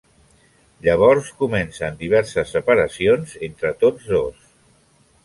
Llavors comencen diverses separacions entre tots dos.